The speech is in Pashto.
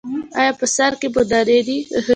ایا په سر کې مو دانې دي؟